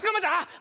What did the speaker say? あ！